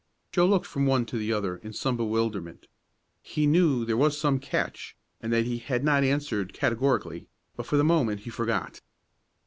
Joe looked from one to the other in some bewilderment. He knew there was some catch, and that he had not answered categorically, but for the moment he forgot.